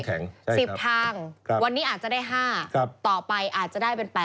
๑๐ทางวันนี้อาจจะได้๕ต่อไปอาจจะได้เป็น๘